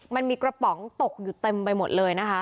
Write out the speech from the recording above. มันมีกระป๋องตกอยู่เต็มไปหมดเลยนะคะ